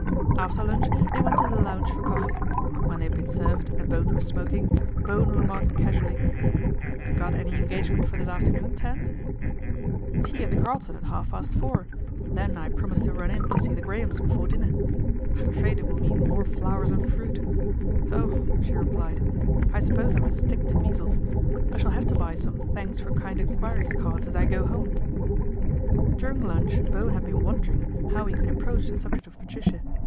After lunch they went to the lounge for coffee. When they had been served and both were smok ing, Bowen remarked casually, " Got any engage ment for this afternoon, Tan ?"" Tea at the Carlton at half past four, then I promised to run in to see the Grahams before dinner. I'm afraid it will mean more flowers and fruit. Oh !" she replied, " I suppose I must stick to measles. I shall have to buy some thanks for kind enquiries cards as I go home." During lunch Bowen had been wondering how he could approach the subject of Patricia.